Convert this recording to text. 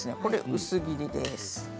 薄切りです。